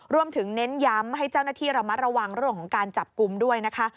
เน้นย้ำให้เจ้าหน้าที่ระมัดระวังเรื่องของการจับกลุ่มด้วยนะคะ